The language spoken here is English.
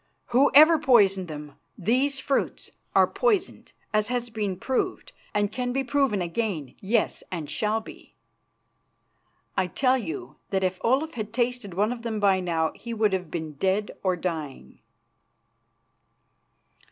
Whoever poisoned them, these fruits are poisoned, as has been proved and can be proved again, yes, and shall be. I tell you that if Olaf had tasted one of them by now he would have been dead or dying."